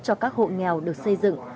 cho các hộ nghèo được xây dựng